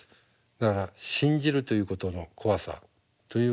だから信じるということの怖さということ。